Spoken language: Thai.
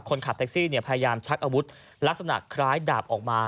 คนขับแท็กซี่พยายามชักอาวุธลักษณะคล้ายดาบออกมา